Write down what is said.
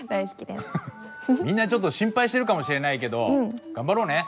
みんなちょっと心配してるかもしれないけど頑張ろうね。